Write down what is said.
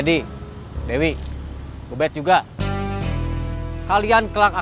dia buat gimana